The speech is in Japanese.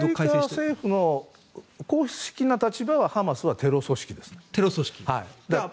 アメリカ政府の公式な立場はハマスはテロ組織です。